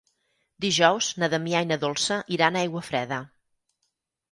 Dijous na Damià i na Dolça iran a Aiguafreda.